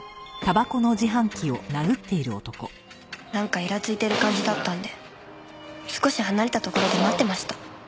なんかいらついてる感じだったんで少し離れたところで待ってました。